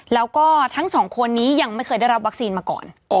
แล้วก็ทั้งสองคนนี้ยังไม่เคยได้รับวัคซีนมาก่อน